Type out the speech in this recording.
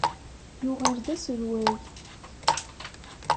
Yuɣal d aselway.